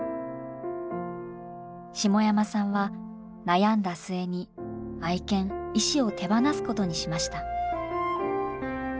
下山さんは悩んだ末に愛犬石を手放すことにしました。